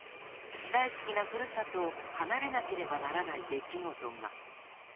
大好きな故郷を離れなければならない出来事が。